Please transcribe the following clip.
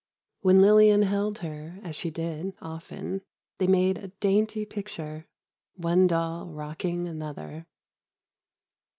When Lillian held her, as she did, often, they made a dainty picture: one doll rocking another.